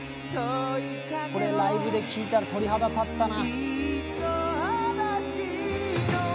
これライブで聴いたら鳥肌立ったな。